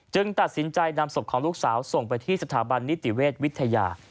ตัดสินใจนำศพของลูกสาวส่งไปที่สถาบันนิติเวชวิทยา